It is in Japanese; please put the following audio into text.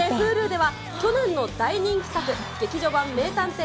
Ｈｕｌｕでは、去年の大人気作、劇場版名探偵